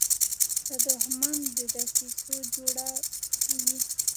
دښمن د دسیسو جوړه وي